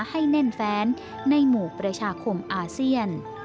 ให้แน่นแฟนในหมู่ประชาคมอาเซียน